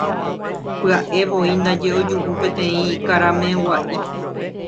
Pya'evoi ndaje ojuhu peteĩ karameg̃ua'i.